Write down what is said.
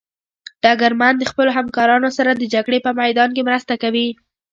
ډګرمن د خپلو همکارانو سره د جګړې په میدان کې مرسته کوي.